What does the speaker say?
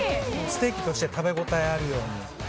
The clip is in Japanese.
ステーキとして食べ応えがあるように。